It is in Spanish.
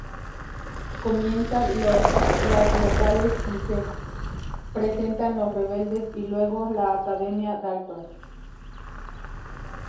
Comienza las locales y se presentan los Rebeldes y luego la Academia Dalton.